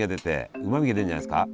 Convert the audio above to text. うまみが出るんじゃないですか？